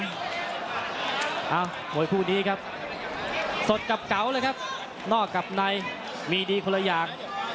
เอ้ามวยคู่นี้ครับสดกับเก๋าเลยครับนอกกับในมีดีคนละอย่าง